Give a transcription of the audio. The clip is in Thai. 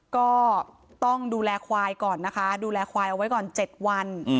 ก็ต้องดูแลควายก่อนนะคะดูแลควายเอาไว้ก่อน๗วัน